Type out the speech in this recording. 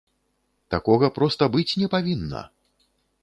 Такога проста быць не павінна!